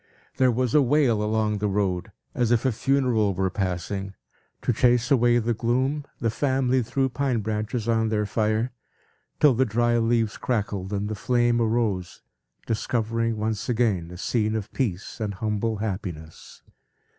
There was a wail, along the road, as if a funeral were passing. To chase away the gloom, the family threw pine branches on their fire, till the dry leaves crackled and the flame arose, discovering once again a scene of peace and humble happiness.